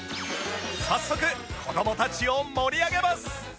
早速子どもたちを盛り上げます